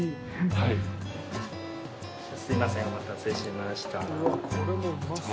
はいすみませんお待たせしましたうわ